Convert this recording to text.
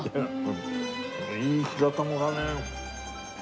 いい白玉だね。